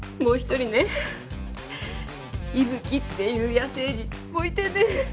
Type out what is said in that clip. もう一人ね伊吹っていう野生児もいてね